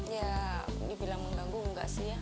ya dibilang mengganggu enggak sih ya